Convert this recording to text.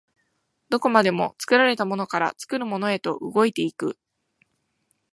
どこまでも作られたものから作るものへと動いて行く。